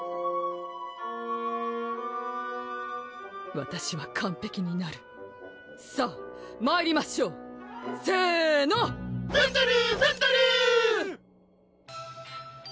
わたしは完璧になるさぁまいりましょうせーのブンドルブンドルー！